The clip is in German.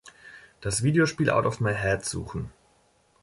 Das Videospiel Out of My Head suchen